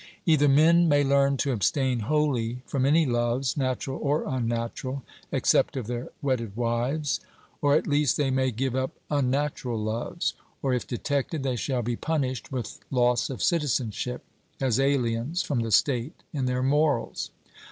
Either men may learn to abstain wholly from any loves, natural or unnatural, except of their wedded wives; or, at least, they may give up unnatural loves; or, if detected, they shall be punished with loss of citizenship, as aliens from the state in their morals.